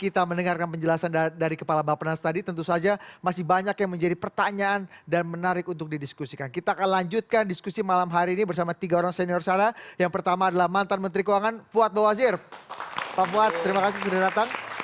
terima kasih sudah datang